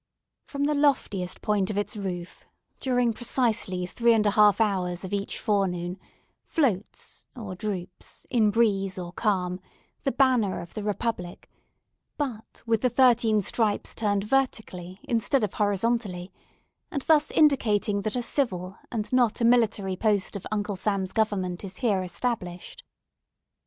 From the loftiest point of its roof, during precisely three and a half hours of each forenoon, floats or droops, in breeze or calm, the banner of the republic; but with the thirteen stripes turned vertically, instead of horizontally, and thus indicating that a civil, and not a military, post of Uncle Sam's government is here established.